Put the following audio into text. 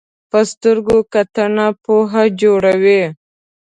په سترګو کتنه پوهه جوړوي